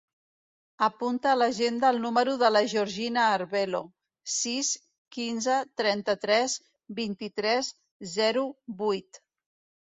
Apunta a l'agenda el número de la Georgina Arvelo: sis, quinze, trenta-tres, vint-i-tres, zero, vuit.